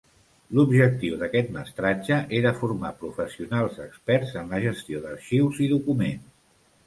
L'objectiu d'aquest mestratge era formar professionals experts en la gestió d'arxius i documents.